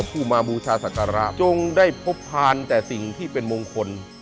ผู้มาบูชาศักระจงได้พบพานแต่สิ่งที่เป็นมงคล